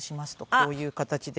こういう形で。